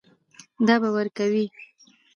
دا به ورکوې.